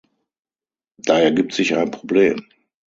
Da ergibt sich ein Problem.